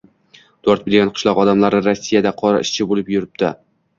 to'rt million qishloq odamlari Rossiyada qora ishchi bo‘lib yuribdi?